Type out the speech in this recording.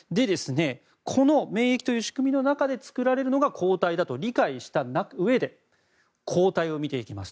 この免疫という仕組みの中で作られるのが抗体だと理解したうえで抗体を見ていきます。